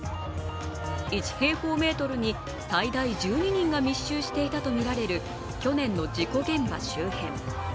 １平方メートルに最大１２人が密集していたとみられる、去年の事故現場周辺。